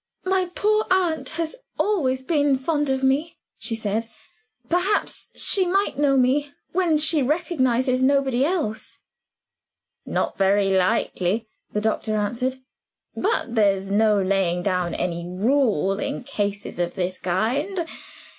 "My poor aunt has always been fond of me," she said. "Perhaps she might know me, when she recognizes nobody else." "Not very likely," the doctor answered. "But there's no laying down any rule in cases of this kind.